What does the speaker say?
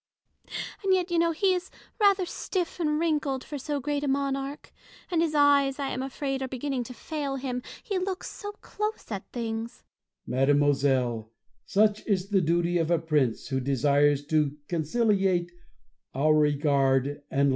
And yet you know he is rather stiiT and ^6 IMA GINAR V CON VERS A TJONS. wrinkled for so great a nionarcli ; and his eyes, I am afraid, are beginning to fail him, he looks so close at things. Bossuet. Mademoiselle, such is the duty of a prince who desires to conciliate our regard and love.